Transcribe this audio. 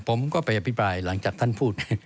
ผมก็ไปอภิปรายหลังจากท่านพูด